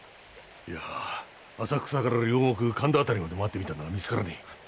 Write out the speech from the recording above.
いや浅草から両国神田あたりまで回ってみたが見つからねえ。